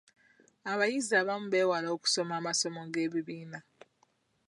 Abayizi abamu bewala okusoma amasomo g'ebibiina.